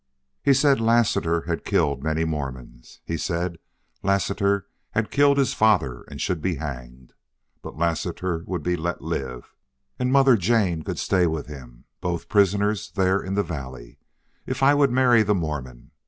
"He said Lassiter had killed many Mormons. He said Lassiter had killed his father and should be hanged. But Lassiter would be let live and Mother Jane could stay with him, both prisoners there in the valley, if I would marry the Mormon.